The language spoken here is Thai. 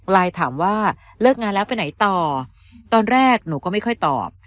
ไลน์ถามว่าเลิกงานแล้วไปไหนต่อตอนแรกหนูก็ไม่ค่อยตอบ